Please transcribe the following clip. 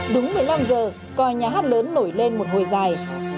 đúng một mươi năm giờ coi nhà hát lớn nổi lên một hồi dài